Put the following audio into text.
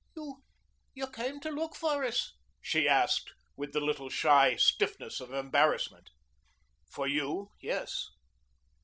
"You came to look for us?" she asked, with the little shy stiffness of embarrassment. "For you yes."